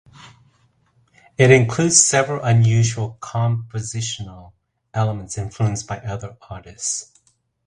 It includes several unusual compositional elements influenced by other artists.